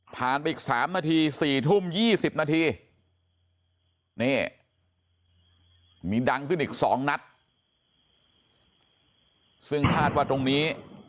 ผ่านไปอีก๓นาทีสี่ทุ่ม๒๐นาที